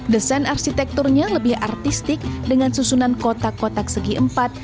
desain arsitekturnya lebih artistik dengan susunan kotak kotak segi empat